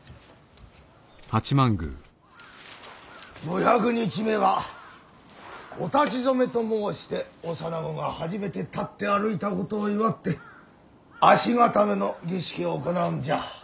五百日目はお立ち初めと申して幼子が初めて立って歩いたことを祝って足固めの儀式を行うんじゃ。